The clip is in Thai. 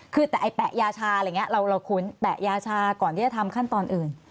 คือแต่ไอ้แปะยาชาอะไรอย่างนี้เราคุ้นแปะยาชาก่อนที่จะทำขั้นตอนอื่น